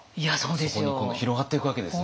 そこに今度広がっていくわけですね。